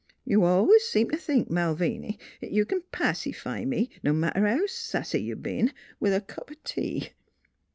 " You al'ays seem t' think, Malviny, 'at you c'n pacify me no matter how sassy you b'en with a cup o' tea.